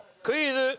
クイズ。